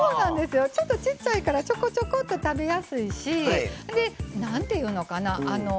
ちょっと、ちっちゃいからちょこちょこっと食べやすいしなんていうのかな